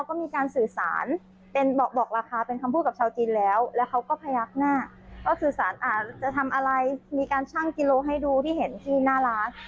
ว่าสื่อสารจะทำอะไรมีการชั่งกิโลให้ดูที่เห็นที่หน้าร้าน